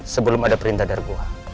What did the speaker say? sebelum ada perintah dari gua